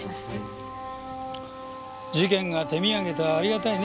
事件が手土産とはありがたいね。